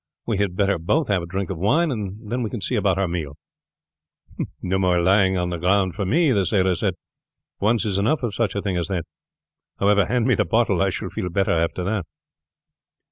We had better both have a drink of wine, and then we can see about our meal." "No more lying down on the ground for me," the sailor said. "Once is enough of such a thing as that. However, hand me the bottle. I shall feel better after that."